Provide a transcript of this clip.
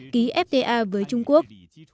ký fta với trung quốc